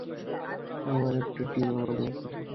আমরা একটা টিম, আমাদের একসাথে থাকা উচিত।